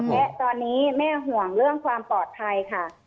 และตอนนี้แม่ห่วงเรื่องความปลอดภัยค่ะ